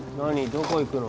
どこ行くの？